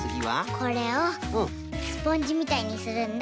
これをスポンジみたいにするんだ。